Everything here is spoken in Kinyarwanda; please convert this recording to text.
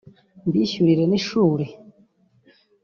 mbishyurire n’ishuri